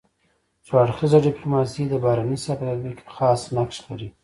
څو اړخیزه ډيپلوماسي د بهرني سیاست په تطبیق کي خاص نقش لري.